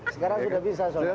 sekarang sudah bisa solyman